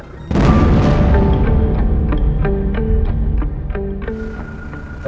aku mau pergi